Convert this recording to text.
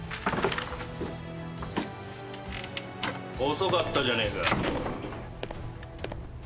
遅かったじゃねえか。